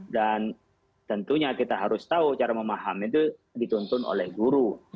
dan tentunya kita harus tahu cara memahami itu dituntun oleh guru